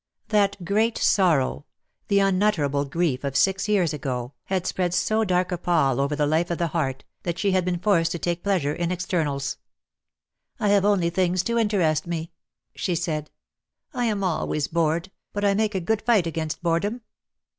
That great sorrow, the unutterable grief of six years ago, had spread so dark a pall over the life of the heart, that she had been forced to take pleasure in externals.. DEAD lo\t: has chains. ^f "I have only things to interest me," she said. I am always bored, but I make a good fight against boredom."